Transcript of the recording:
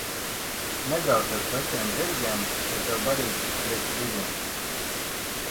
Nebrauc ar sešiem zirgiem, ja tev barība tik priekš diviem.